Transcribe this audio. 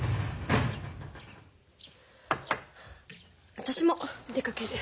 ・私も出かける。